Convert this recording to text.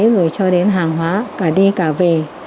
rồi cho đến hàng hóa cả đi cả về